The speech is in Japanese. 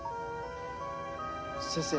先生